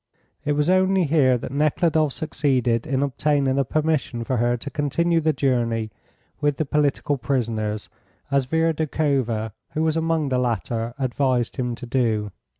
It was only here that Nekhludoff succeeded in obtaining a permission for her to continue the journey with the political prisoners, as Vera Doukhova, who was among the latter, advised him to do.